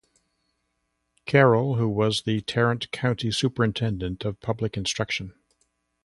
Carroll who was the Tarrant County Superintendent of Public Instruction.